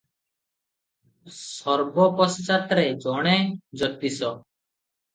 ସର୍ବ ପଶ୍ଚାତ୍ ରେ ଜଣେ ଜ୍ୟୋତିଷ ।